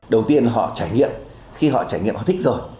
đầu tiên họ trải nghiệm khi họ trải nghiệm họ thích rồi